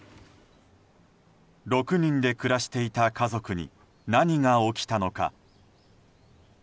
６人で暮らしていた家族に何が起きたのか。